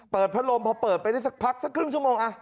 พัดลมพอเปิดไปได้สักพักสักครึ่งชั่วโมง